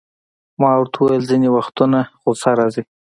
ما ورته وویل: ځیني وختونه غصه راځي.